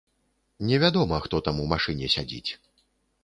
Невядома, хто там у машыне сядзіць.